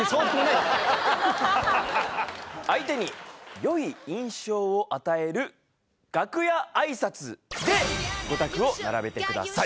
相手に良い印象を与える楽屋挨拶でゴタクを並べてください。